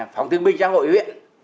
phòng thương binh giáo hội huyện